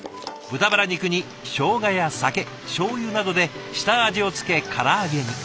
豚バラ肉にしょうがや酒しょうゆなどで下味をつけから揚げに。